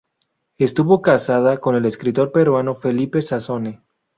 Estuvo casada con el escritor peruano Felipe Sassone.